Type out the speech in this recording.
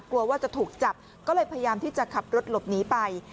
กลัวว่าจะถูกจับก็เลยพยายามที่จะขับรถหลบหนีไป